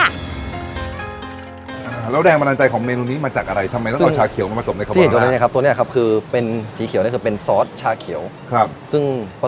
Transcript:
แล้วแดงบันดาลใจของเมนูจะมาจากอะไรทำไมเราเอาชาเกียวมาผสมกับเกินติอย่างน้อย